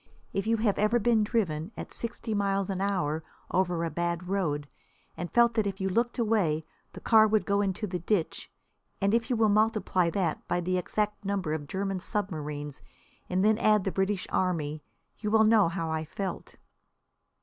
If you have ever been driven at sixty miles an hour over a bad road, and felt that if you looked away the car would go into the ditch, and if you will multiply that by the exact number of German submarines and then add the British Army, you will know how I felt.